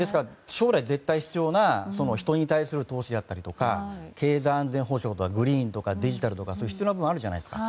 将来絶対必要な人に対する投資であったり経済安全保障とかデジタルとか必要な部分があるじゃないですか。